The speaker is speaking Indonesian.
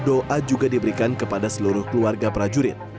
doa juga diberikan kepada seluruh keluarga prajurit